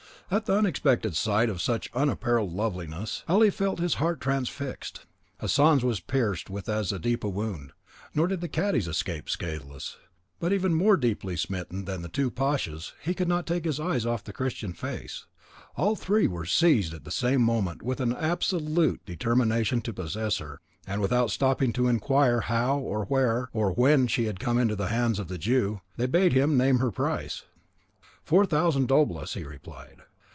At the unexpected sight of such unparalleled loveliness, Ali felt his heart transfixed; Hassan's was pierced with as deep a wound; nor did the cadi's escape scatheless, but, even more deeply smitten than the two pashas, he could not take his eyes off the Christian's face. All three were seized at the same moment with an absolute determination to possess her; and without stopping to inquire how, or where, or when, she had come into the hands of the Jew, they bade him name her price. Four thousand doblas, he replied.